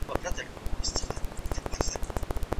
هغه د لاهور تړون تنظیم کړ.